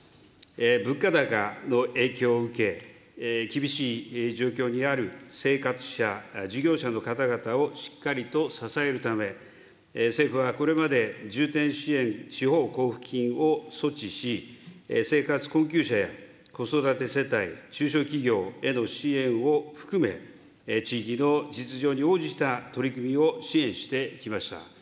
物価高の影響を受け、厳しい状況にある生活者、事業者の方々をしっかりと支えるため、政府はこれまで重点支援地方交付金を措置し、生活困窮者や子育て世帯、中小企業への支援を含め、地域の実情に応じた取り組みを支援してきました。